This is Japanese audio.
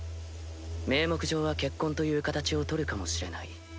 名目上は結婚という形を取るかもしれない。